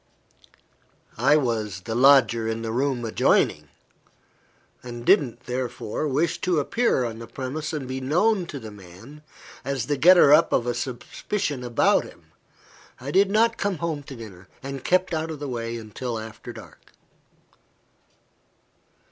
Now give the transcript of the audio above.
I was the "lodger in the room adjoining," and didn't, therefore, wish to appear on the premises and be known by the man, as the getter up of a suspicion against him. I did not come home to dinner, and kept out of the way till after dark.